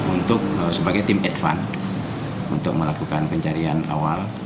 untuk sebagai tim advance untuk melakukan pencarian awal